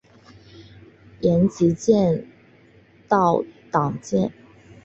延吉街道党建